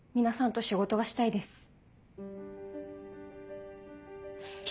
皆さんと仕事がしたいです。